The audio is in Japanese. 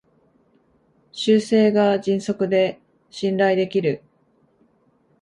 修正が迅速で信頼できる